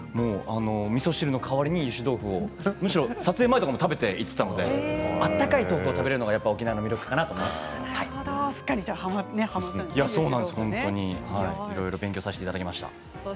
みそ汁の代わりにゆし豆腐をむしろ撮影前とかも食べていたので温かい豆腐を食べられるのがすっかりいろいろ勉強させていただきました。